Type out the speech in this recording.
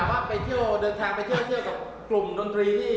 เดินทางไปเที่ยวกลุ่มดนตรีที่